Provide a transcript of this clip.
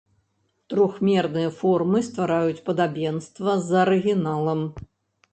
Трохмерныя формы ствараюць падабенства з арыгіналам.